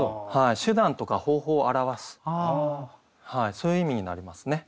手段とか方法を表すそういう意味になりますね。